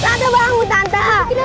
tante bangun tante